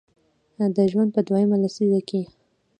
د ژوند په دویمه لسیزه کې